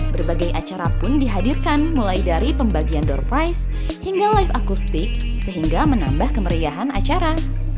berbagai acara pun dihadirkan mulai dari pembagian door price hingga live akustik sehingga menambah kemeriahan acara